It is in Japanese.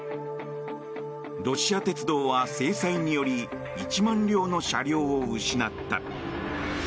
ロシア鉄道は制裁により１万両の車両を失った。